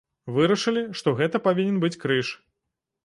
Вырашылі, што гэта павінен быць крыж.